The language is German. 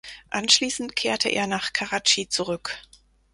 Anschließend kehrte er nach Karatschi zurück.